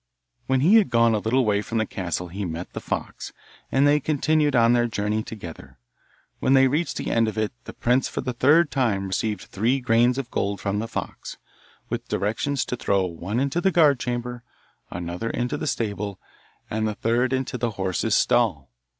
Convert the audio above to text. When he had gone a little way from the castle he met the fox, and they continued on their journey together. When they reached the end of it the prince for the third time received three grains of gold from the fox, with directions to throw one into the guard chamber, another into the stable, and the third into the horse's stall.